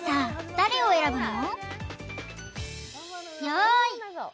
誰を選ぶの？